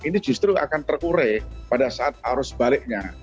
ini justru akan terurai pada saat arus baliknya